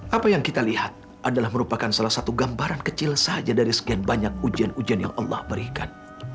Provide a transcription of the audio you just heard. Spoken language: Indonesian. apa yang kita lihat adalah merupakan salah satu gambaran kecil saja dari sekian banyak ujian ujian yang allah berikan